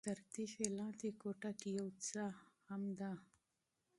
تر تیږې لاندې کوټه کې یوه څاه هم ده.